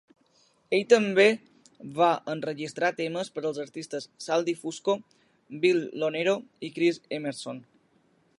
Ell també va enregistrar temes per als artistes Sal DiFusco, Bill Lonero i Chris Emerson.